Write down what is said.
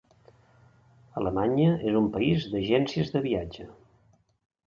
Alemanya és un país d'agències de viatges.